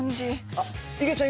あっいげちゃん